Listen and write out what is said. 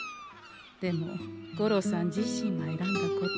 でも五郎さん自身が選んだこと。